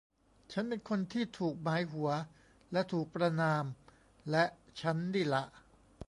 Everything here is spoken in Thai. ฉันเป็นคนที่ถูกหมายหัวและถูกประณาม และฉันนี่ล่ะ